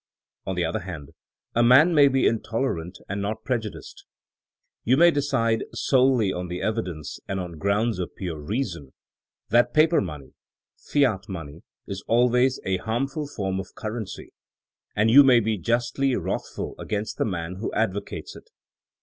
On the other hand, a man may be intolerant and not prejudiced. You may decide, solely on the evidence and on grounds of pure reason, that paper money — ^fiat money ^is always a harmful form of currency, and you may be justly wrathful against the man who advocates it.